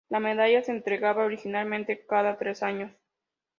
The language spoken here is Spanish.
La medalla se entregaba originalmente cada tres años.